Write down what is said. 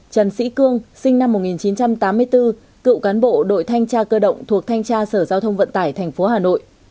trần sĩ cương sinh năm một nghìn chín trăm tám mươi bốn cựu cán bộ đội thanh tra cơ động thuộc thanh tra sở giao thông vận tải tp hà nội